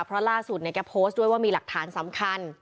เพราะล่าสุดเนี่ยแกโพสต์ด้วยว่ามีหลักฐานสำคัญ